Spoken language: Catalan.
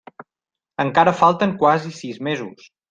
Encara falten quasi sis mesos!